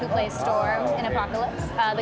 yang memainkan storm di apocalypse